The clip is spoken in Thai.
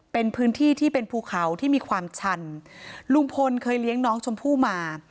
เป็นพื้นที่ที่เป็นภูเขาที่มีความชันลุงพลเคยเลี้ยงน้องชมพู่มา